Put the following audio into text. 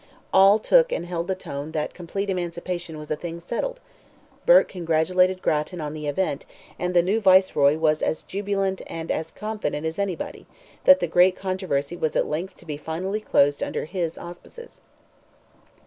All took and held the tone that complete emancipation was a thing settled: Burke congratulated Grattan on the event, and the new Viceroy was as jubilant and as confident as anybody, that the great controversy was at length to be finally closed under his auspices.